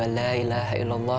bagulah aime b definite yani